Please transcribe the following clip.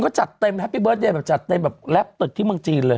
ก็จัดเต็มแฮปปี้เดิร์เดย์แบบจัดเต็มแบบแร็ปตึกที่เมืองจีนเลย